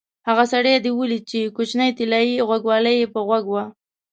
هغه سړی دې ولید چې کوچنۍ طلایي غوږوالۍ یې په غوږ وې؟